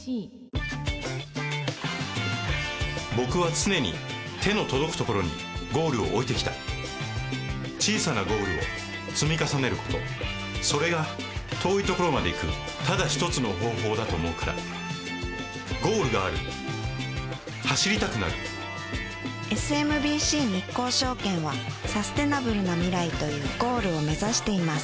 僕は常に手の届くところにゴールを置いてきた小さなゴールを積み重ねることそれが遠いところまで行くただ一つの方法だと思うからゴールがある走りたくなるＳＭＢＣ日興証券はサステナブルな未来というゴールを目指しています